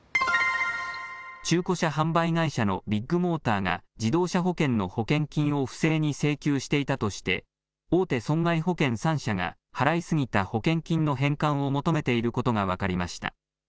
中古車販売会社のビッグモーターが自動車保険の保険金を不正に請求していたとして大手損害保険３社が払い過ぎた保険金の返還を求めていることが分かりました。